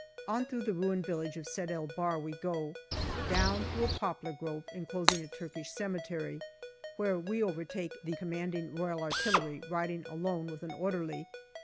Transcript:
On through the ruined village of Sedul Bahr we go, down through a poplar grove enclosing a Turkish cemetery, when we overtake the C.R.A., riding alone with an orderly.